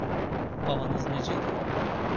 Babanız neciydi?